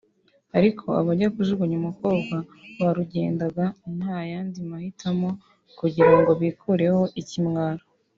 ariko abajya kujugunya umukobwa barugendaga nta yandi mahitamo kugira ngo bikureho ikimwaro